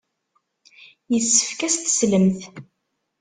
Yessefk ad as-teslemt.